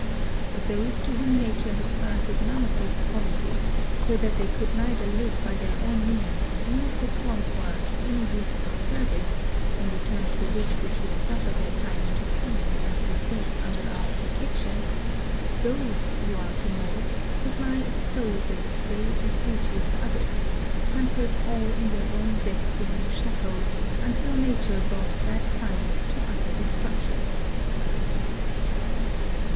But those to whom nature has granted none of these qualities, so that they could neither live by their own means nor per form for us any useful service, in return for which we should suffer their kind to feed and be safe under our protection, those, you are to know, would lie ex posed as a prey and booty of others, hampered all in their own death bringing shackles, until nature brought that kind to utter destruction."